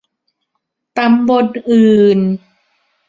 ตำบลอื่น